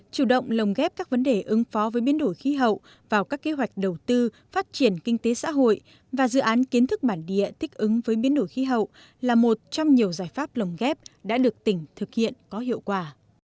chủ động lồng ghép các vấn đề ứng phó với biến đổi khí hậu vào các kế hoạch đầu tư phát triển kinh tế xã hội và dự án kiến thức bản địa thích ứng với biến đổi khí hậu là một trong nhiều giải pháp lồng ghép đã được tỉnh thực hiện có hiệu quả